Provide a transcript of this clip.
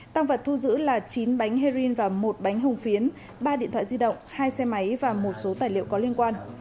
tăng vật thu giữ là chín bánh heroin và một bánh hùng phiến ba điện thoại di động hai xe máy và một số tài liệu có liên quan